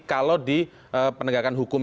kalau di penegakan hukum